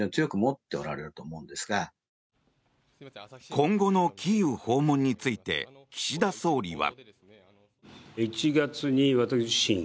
今後のキーウ訪問について岸田総理は。